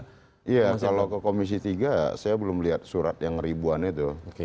iya kalau ke komisi tiga saya belum lihat surat yang ribuan itu